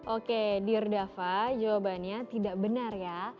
oke dear dafa jawabannya tidak benar ya